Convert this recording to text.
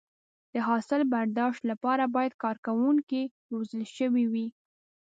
د حاصل برداشت لپاره باید کارکوونکي روزل شوي وي.